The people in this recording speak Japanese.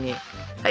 はい！